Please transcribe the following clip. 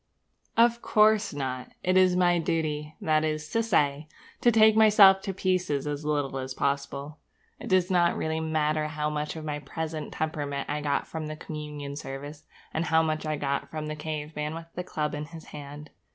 Of course not! It is my duty, that is to say, to take myself to pieces as little as possible. It does not really matter how much of my present temperament I got from the communion service, and how much I got from the caveman with the club in his hand.